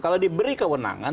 kalau diberi kewenangan